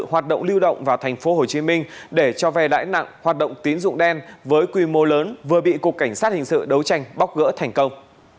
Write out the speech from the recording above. hoạt động lưu động vào thành phố hồ chí minh để cho về lãi nặng hoạt động tín dụng đen với quy mô lớn vừa bị cục cảnh sát hình sự đấu tranh bóc gỡ thành công